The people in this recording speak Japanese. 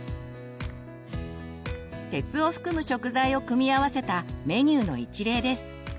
鉄を含む食材を組み合わせたメニューの一例です。